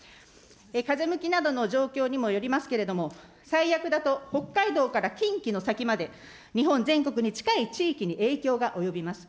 風向きなどの状況にもよりますけれども、最悪だと、北海道から近畿の先まで、日本全国に近い地域に影響が及びます。